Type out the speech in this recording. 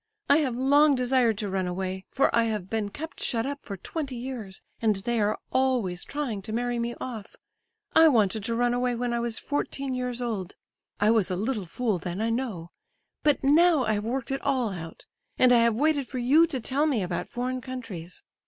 I have long desired to run away, for I have been kept shut up for twenty years, and they are always trying to marry me off. I wanted to run away when I was fourteen years old—I was a little fool then, I know—but now I have worked it all out, and I have waited for you to tell me about foreign countries.